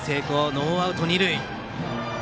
ノーアウト、二塁。